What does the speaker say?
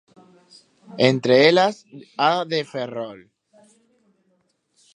Entre elas, a de Ferrol.